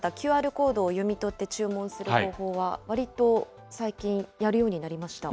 ＱＲコードを読み取って注文する方法は、わりと最近、やるようになりました。